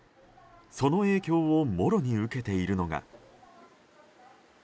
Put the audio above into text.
その影響をもろに受けているのが。